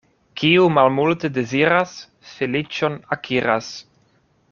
Kiu malmulte deziras, feliĉon akiras.